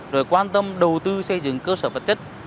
rồi quan tâm đầu tư xây dựng cơ sở vật chất